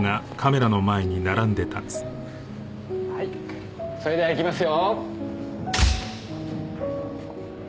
はいそれではいきますよ。